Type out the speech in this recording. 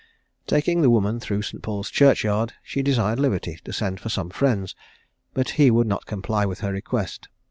"Taking the woman through St. Paul's churchyard, she desired liberty to send for some friends, but he would not comply with her request.